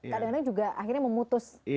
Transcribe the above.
kadang kadang juga akhirnya memutus